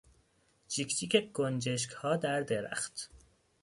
جیک جیک گنجشکها در درخت